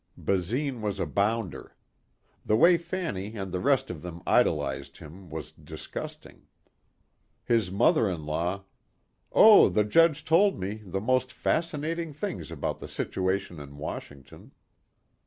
Basine was a bounder. The way Fanny and the rest of them idolized him was disgusting. His mother in law "Oh, the judge told me the most fascinating things about the situation in Washington."